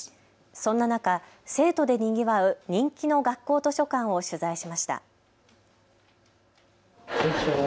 そんな中、生徒でにぎわう人気の学校図書館を取材しました。